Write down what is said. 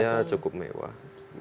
ya cukup mewah